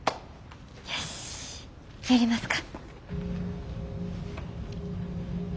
よしやりますか。